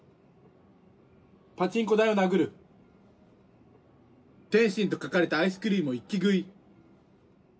「パチンコ台を殴る」「テンシンと書かれたアイスクリームを一気食い」